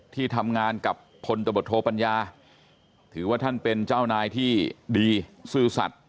ที่ทำงานกับพลตบทโทปัญญาถือว่าท่านเป็นเจ้านายที่ดีซื่อสัตว์